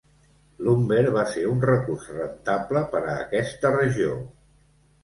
Lumber va ser un recurs rentable per a aquesta regió.